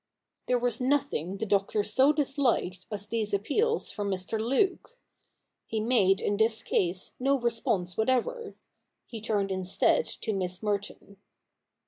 There w^as nothing the Doctor so disliked as these appeals from Mr. Luke. He made in this case no response whatever. He turned instead to Miss Merton.